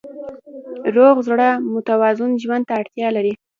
روغ زړه متوازن ژوند ته اړتیا لري.